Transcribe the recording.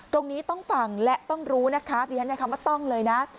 ตรงนี้ต้องฟังและต้องรู้นะคะดิฉันใช้คำว่าต้องเลยนะ